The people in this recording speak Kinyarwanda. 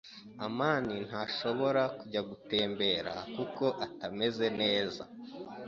amani ntashobora kujya gutembera kuko atameze neza.